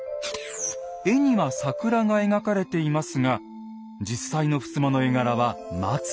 絵には桜が描かれていますが実際のふすまの絵柄は松。